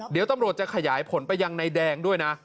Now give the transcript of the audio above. เดี๋ยวตำรวจจะขยายผลไปยังนายแดงด้วยนะ